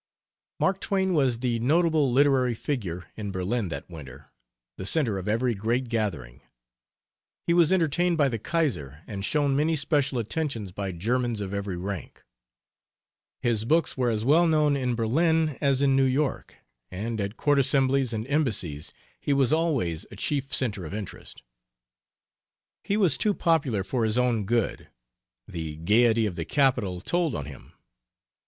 Mark Twain was the notable literary figure in Berlin that winter, the center of every great gathering. He was entertained by the Kaiser, and shown many special attentions by Germans of every rank. His books were as well known in Berlin as in New York, and at court assemblies and embassies he was always a chief center of interest. He was too popular for his own good; the gaiety of the capital told on him.